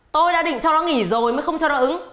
tôi đã định cho nó nghỉ rồi mới không cho đỡ ứng